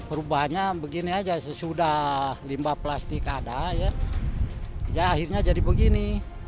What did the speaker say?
perubahannya begini aja sesudah limbah plastik ada ya akhirnya jadi begini